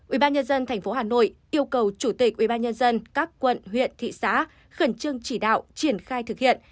ubnd tp hà nội yêu cầu chủ tịch ubnd các quận huyện thị xã khẩn trương chỉ đạo triển khai thực hiện